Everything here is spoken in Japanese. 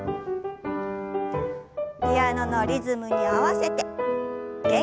ピアノのリズムに合わせて元気よく。